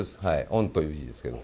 御という字ですけど。